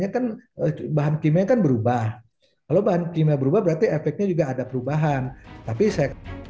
jadi kalau sudah kadaluarsa artinya kan bahan kimia kan berubah kalau bahan kimia berubah berarti efeknya juga ada perubahan tapi saya